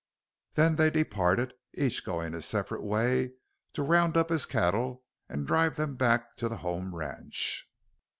Then they departed, each going his separate way to round up his cattle and drive them back to the home ranch.